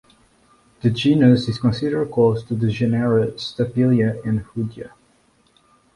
The genus is considered close to the genera "Stapelia" and "Hoodia".